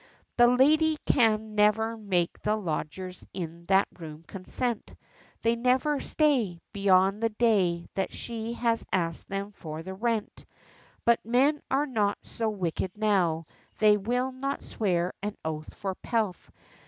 The landlady can never make the lodgers in that room content, They never stay, beyond the day that she has asked them for the rent, But men are not so wicked now; they will not swear an oath for pelf.